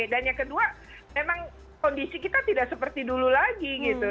dan yang kedua memang kondisi kita tidak seperti dulu lagi gitu